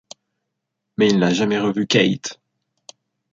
Mais il n'a jamais revu Kate.